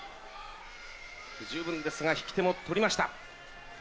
十分ですが、引き手も取りました。